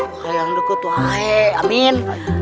oh hayang dekut wae amin